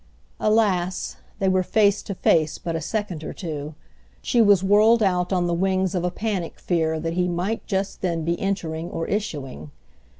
Alas! they were face to face but a second or two: she was whirled out on the wings of a panic fear that he might just then be entering or issuing.